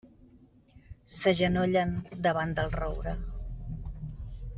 S'agenollen davant del roure.